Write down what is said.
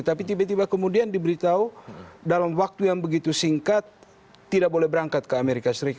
tapi tiba tiba kemudian diberitahu dalam waktu yang begitu singkat tidak boleh berangkat ke amerika serikat